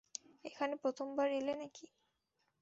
এখানে প্রথমবার এলে নাকি?